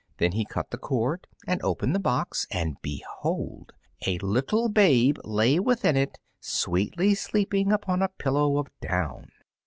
Then he cut the cord and opened the box, and behold! a little babe lay within it, sweetly sleeping upon a pillow of down.